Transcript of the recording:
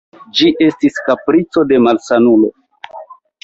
Ĝi estis kaprico de malsanulo.